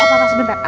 oh papa sebentar